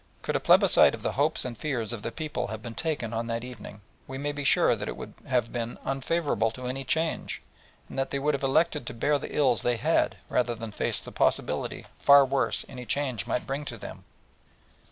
Could a plebiscite of the hopes and fears of the people have been taken on that evening, we may be sure that it would have been unfavourable to any change, and that they would have elected to bear the ills they had, rather than face the possibly far worse any change might bring to them.